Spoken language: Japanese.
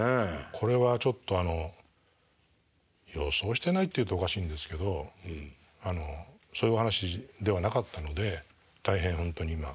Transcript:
これはちょっと予想してないっていうとおかしいんですけどそういうお話ではなかったので大変本当に今でも。